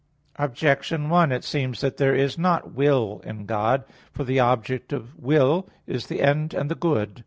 Objection 1: It seems that there is not will in God. For the object of will is the end and the good.